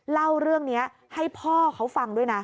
เล่าเรื่องนี้ให้พ่อเขาฟังด้วยนะ